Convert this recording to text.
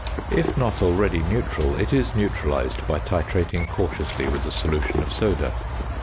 If not already neutral, it is neutralised by titrating cautiously with a solution of soda.